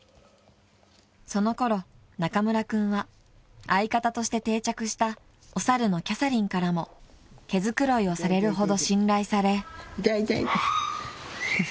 ［そのころ中村君は相方として定着したお猿のキャサリンからも毛繕いをされるほど信頼され］